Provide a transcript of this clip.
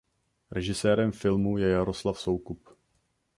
Režisérem filmu je Jaroslav Soukup.